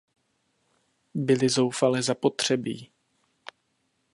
Byly zoufale zapotřebí.